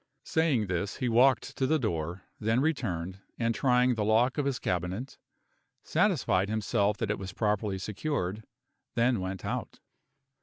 Saying this, he walked to the door; then returned, and trying the lock of his cabinet, satisfied himself that it was properly secured; then went out.